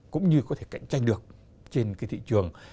cũng như có thể cạnh tranh được trên cái thị trường